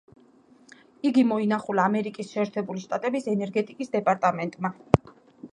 იგი მოინახულა ამერიკის შეერთებული შტატების ენერგეტიკის დეპარტამენტმა.